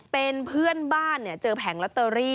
เป็นเพื่อนบ้านเจอแผงลอตเตอรี่